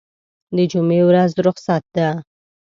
دجمعې ورځ رخصت ده